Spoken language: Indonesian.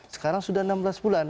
sekarang sudah enam belas bulan